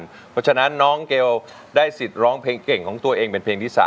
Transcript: เพราะฉะนั้นน้องเกลได้สิทธิ์ร้องเพลงเก่งของตัวเองเป็นเพลงที่๓